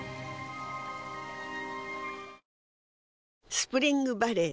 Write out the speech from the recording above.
スプリングバレー